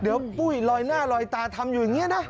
เดี๋ยวปุ้ยลอยหน้าลอยตาทำอยู่อย่างนี้นะ